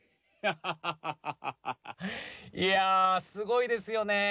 いやあすごいですよね。